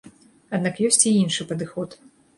Аднак ёсць і іншы падыход.